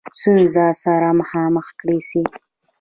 ستونزو سره مخامخ کړه سي.